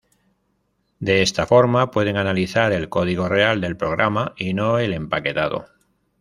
De esta forma pueden analizar el código real del programa, y no el empaquetado..